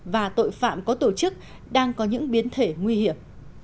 và tội phạm có tổ chức đang có những biến thể nguy hiểm